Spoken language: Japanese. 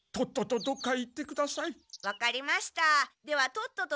とっとと！